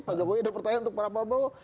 pak jokowi ada pertanyaan untuk pak prabowo